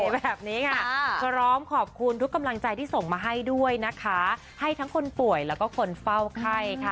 แบบนี้ค่ะพร้อมขอบคุณทุกกำลังใจที่ส่งมาให้ด้วยนะคะให้ทั้งคนป่วยแล้วก็คนเฝ้าไข้ค่ะ